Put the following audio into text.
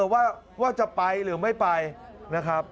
ว่าจะไปหรือไม่ไปนะครับ